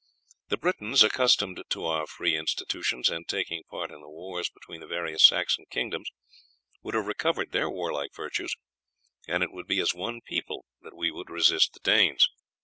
The Britons, accustomed to our free institutions, and taking part in the wars between the various Saxon kingdoms, would have recovered their warlike virtues, and it would be as one people that we should resist the Danes.